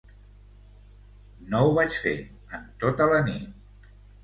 No ho vaig fer, en tota la nit.